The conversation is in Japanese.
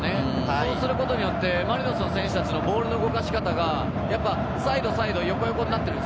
そうすることによって、マリノスの選手たちのボールの動かし方が横、横になっている。